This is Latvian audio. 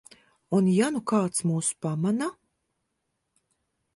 Un ja nu kāds mūs pamana?